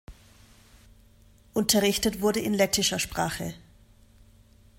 Unterrichtet wurde in lettischer Sprache.